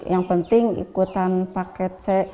yang penting ikutan paket c